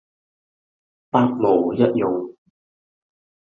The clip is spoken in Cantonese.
百無一用